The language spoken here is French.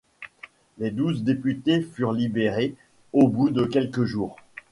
Les douze députés furent libérés au bout de quelques jours.